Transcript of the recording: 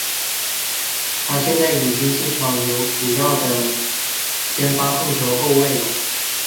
他现在已经是小牛主要的先发控球后卫了。